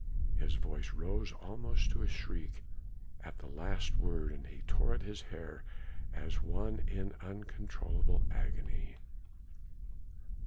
His voice rose almost to a shriek at the last word and he tore at his hair as one in uncontrollable agony.